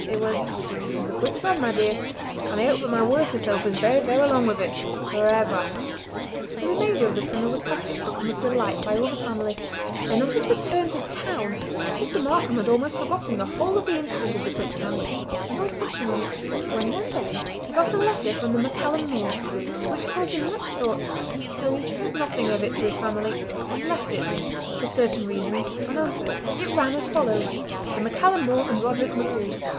It was: "In the quicksand, my dear! and I hope that my worser self is buried there along with it—for ever." The remainder of the summer was passed at Crooken with delight by all the family, and on his return to town Mr. Markam had almost forgotten the whole of the incident of the quicksand, and all touching on it, when one day he got a letter from the MacCallum More which caused him much thought, though he said nothing of it to his family, and left it, for certain reasons, unanswered. It ran as follows:— "The MacCallum More and Roderick MacDhu.